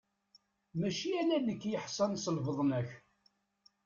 Mačči ala nekk i yeḥsan s lbaḍna-k.